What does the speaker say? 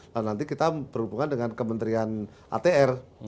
nah nanti kita berhubungan dengan kementerian atr